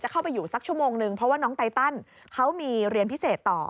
เข้าไปอยู่สักชั่วโมงนึงเพราะว่าน้องไตตันเขามีเรียนพิเศษต่อ